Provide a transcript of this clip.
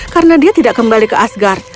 karena dia tidak kembali ke asgard